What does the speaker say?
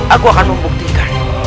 aku akan membuktikan